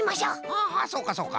ああそうかそうか。